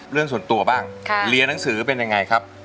เรื่องส่วนตัวบ้างเรียนหนังสือเป็นยังไงครับ